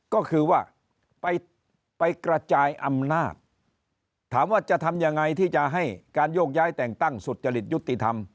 ก็คือว่าไปกระจายอำนาจถามว่าจะทำยังไงที่จะให้การโยกย้ายแต่งตั้งสุจริตยุติธรรม